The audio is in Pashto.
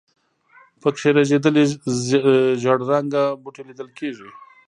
په کې رژېدلي زېړ رنګه بوټي لیدل کېږي.